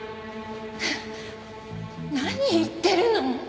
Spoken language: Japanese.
何言ってるの？